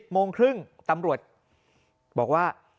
โมงครึ่งตำรวจบอกว่า